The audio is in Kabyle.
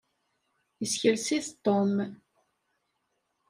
Isekles-it Tom.